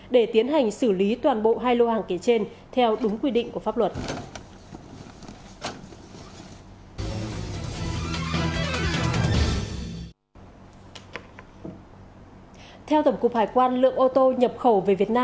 để tiến hành xử lý toàn bộ hai lô hàng kể trên theo đúng quy định của pháp luật